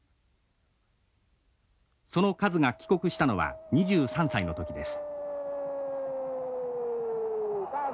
そのカズが帰国したのは２３歳の時です。